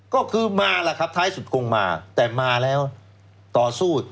ก็คือมาล่ะครับท้ายสุดคงมาแต่มาแล้วต่อสู้